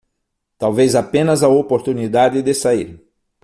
Talvez apenas a oportunidade de sair